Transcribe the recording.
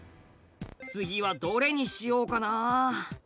次はどれにしようかな。